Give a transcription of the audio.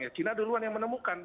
ya china ada ruang yang menemukan